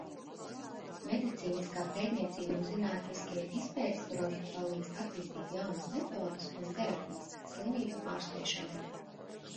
Medicīniskā pētniecība un zinātniskie izpētes projekti palīdz attīstīt jaunas metodes un terapijas slimību ārstēšanai.